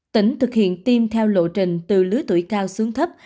tỉnh thực hiện tiêm theo lộ trình từ lứa tuổi cao xuống thấp